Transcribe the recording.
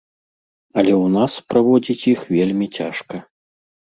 Але ў нас праводзіць іх вельмі цяжка.